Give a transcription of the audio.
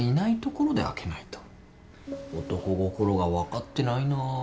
男心が分かってないな。